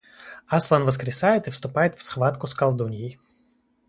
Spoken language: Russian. Аслан воскресает и вступает в схватку с Колдуньей